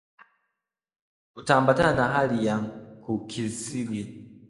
Utakumbana na hali ya kukithiri